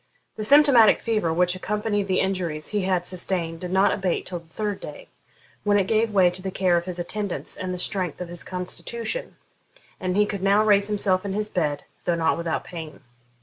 The symptomatic fever which accompanied the injuries he had sustained did not abate till the third day, when it gave way to the care of his attendants and the strength of his constitution, and he could now raise himself in his bed, though not without pain.